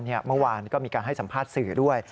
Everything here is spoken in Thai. เมื่อวานก็มีการให้สัมภาษณ์สื่อด้วย